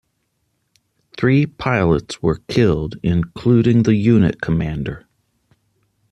Three pilots were killed, including the unit commander.